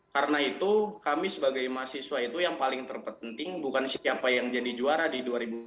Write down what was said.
karena itu kami sebagai mahasiswa itu yang paling penting bukan siapa yang jadi juara di dua ribu dua puluh empat